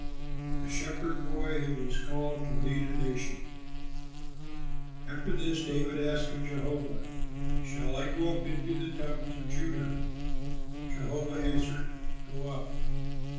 A SHEPHERD BOY WHO WAS CALLED TO LEAD A NATION After this David asked of Jehovah, "Shall I go up into one of the towns of Judah?" Jehovah answered, "Go up."